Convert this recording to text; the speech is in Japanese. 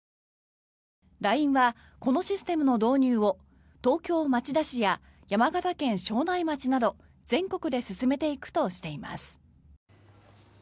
ＬＩＮＥはこのシステムの導入を東京・町田市や山形県庄内町など全国で進めていくとしています。